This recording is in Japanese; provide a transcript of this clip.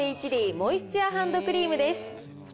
モイスチュアハンドクリームです。